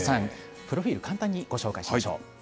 プロフィール、簡単にご紹介しましょう。